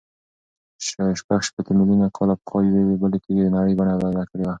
شپږ شپېته میلیونه کاله پخوا یوې بلې تېږې د نړۍ بڼه بدله کړې وه.